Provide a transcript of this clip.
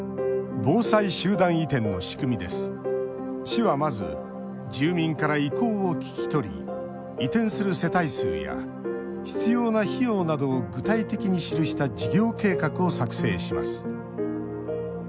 市はまず住民から意向を聞き取り移転する世帯数や必要な費用などを具体的に記した事業計画を作成します。